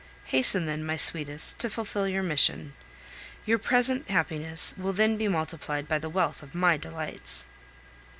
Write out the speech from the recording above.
Hasten, then, my sweetest, to fulfil your mission. Your present happiness will then be multiplied by the wealth of my delights.